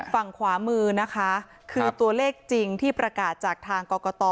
ฝั่งขวามือนะคะคือตัวเลขจริงที่ประกาศจากทางกรกต